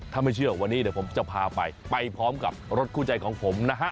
ถ้าไม่เชื่อวันนี้เดี๋ยวผมจะพาไปไปพร้อมกับรถคู่ใจของผมนะฮะ